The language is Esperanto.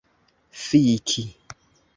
fiki